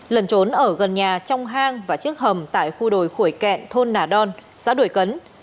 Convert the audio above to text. lần trốn ở gần nhà trong hang và chiếc hầm tại khu đồi khuổi kẹn thôn nà đon xã đuổi cấn